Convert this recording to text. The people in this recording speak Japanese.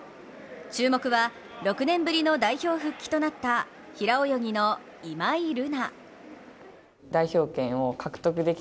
注目は６年ぶりの代表復帰となった平泳ぎの今井月。